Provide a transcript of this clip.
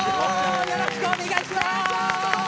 よろしくお願いします！